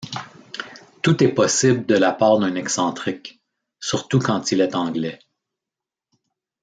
Tout est possible de la part d’un excentrique, surtout quand il est anglais.